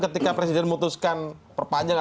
ketika presiden memutuskan perpanjang